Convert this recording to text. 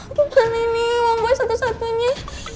aduh gede banget ini uang gue satu satunya